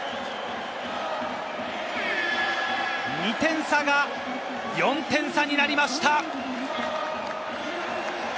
２点差が４点差になりました。